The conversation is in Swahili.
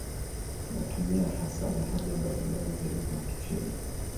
Wanatumia hasa lahaja mbalimbali za lugha ya Kichina.